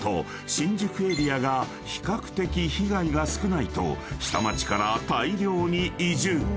新宿エリアが比較的被害が少ないと下町から大量に移住］